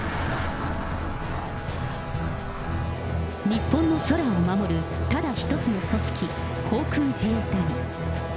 日本の空を守るただ一つの組織、航空自衛隊。